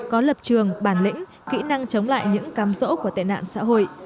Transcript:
có lập trường bản lĩnh kỹ năng chống lại những cam rỗ của tệ nạn xã hội